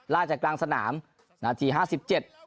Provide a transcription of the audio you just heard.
จากกลางสนามนาทีห้าสิบเจ็ด